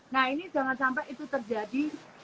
nah ini jangan sampai itu terjadi